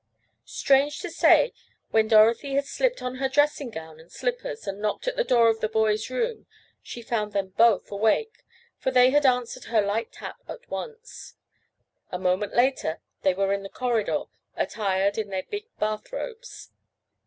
Strange to say when Dorothy had slipped on her dressing gown and slippers and knocked at the door of the boys' room, she found them both awake, for they had answered her light tap at once. A moment later they were in the corridor, attired in their big bath robes.